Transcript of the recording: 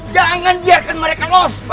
jangan biarkan mereka los